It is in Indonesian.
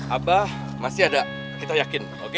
abah masih ada kita yakin